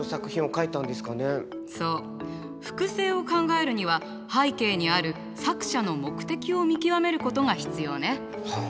そう複製を考えるには背景にある作者の目的を見極めることが必要ね。